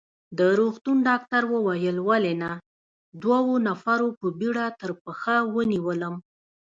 د روغتون ډاکټر وویل: ولې نه، دوو نفرو په بېړه تر پښه ونیولم.